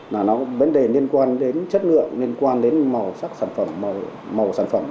nó có vấn đề liên quan đến chất lượng liên quan đến màu sắc sản phẩm màu sản phẩm